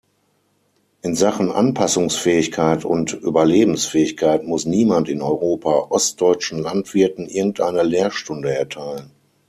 In Sachen Anpassungsfähigkeit und Überlebensfähigkeit muss niemand in Europa ostdeutschen Landwirten irgendeine Lehrstunde erteilen.